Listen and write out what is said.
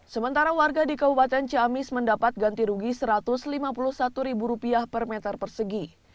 sementara warga di kabupaten ciamis mendapat ganti rugi rp satu ratus lima puluh satu per meter persegi